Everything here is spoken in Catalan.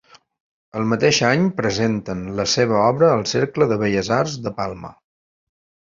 El mateix any presenten la seva obra al Cercle de Belles Arts de Palma.